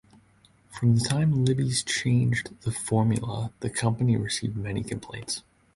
From the time Libby's changed the formula, the company received many complaints.